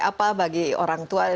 apa bagi orang tua